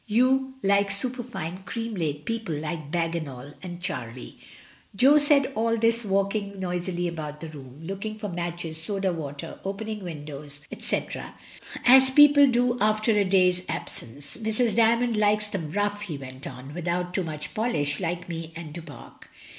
You like super fine cream laid people, like Bagginal and Charlie." Jo said all this walking noisily about the room look ing for matches, soda water, opening windows, &c., as people do after a day's absence. "Mrs. Dymond likes them rough," he went on, "without too much polish, like me and Du Pare."